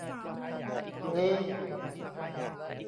งี้